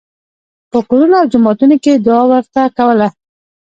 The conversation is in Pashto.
په کورونو او جوماتونو کې یې دعا ورته کوله.